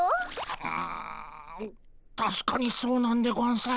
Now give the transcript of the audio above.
うんたしかにそうなんでゴンス。